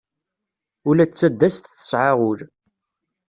Ula d tadast tesɛa ul.